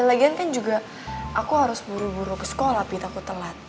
lagian kan juga aku harus buru buru ke sekolah tapi takut telat